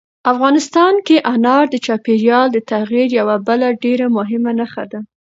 افغانستان کې انار د چاپېریال د تغیر یوه بله ډېره مهمه نښه ده.